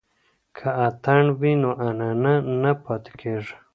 که اتڼ وي نو عنعنه نه پاتې کیږي.